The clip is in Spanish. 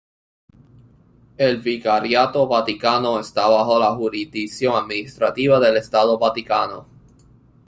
El Vicariato vaticano está bajo la jurisdicción administrativa del Estado vaticano.